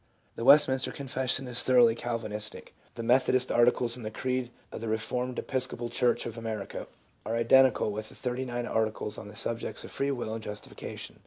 The Westminster Confession is thoroughly Calvinistic. The Methodist Articles and the creed of the Eeformed Episcopal Church of America, are identical with the Thirty nine Arti cles on the subjects of Free will and Justification.